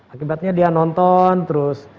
akibatnya dia nonton terus